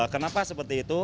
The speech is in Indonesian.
kenapa seperti itu